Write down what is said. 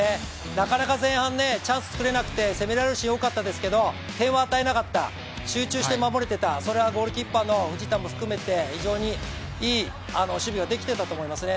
なかなか前半、チャンスを作れなくて、攻められるシーンが多かったですけど、点を与えなかった、集中して守れてた、それはゴールキーパーの藤田も含めて非常にいい守備ができていたと思いますね。